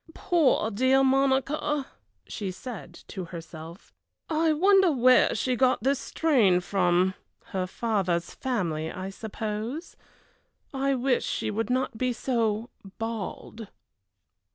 "Poor dear Monica!" she said to herself. "I wonder where she got this strain from her father's family, I suppose I wish she would not be so bald."